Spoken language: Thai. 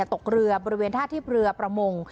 ตกเรือบริเวณธาทิศเรือประมง